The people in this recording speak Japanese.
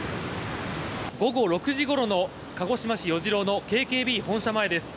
午後６時ごろの鹿児島市与次郎のＫＫＢ本社前です。